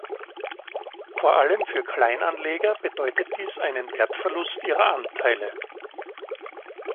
Vor allem für Kleinanleger bedeutet dies einen Wertverlust ihrer Anteile.